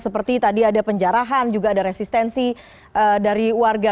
seperti tadi ada penjarahan juga ada resistensi dari warga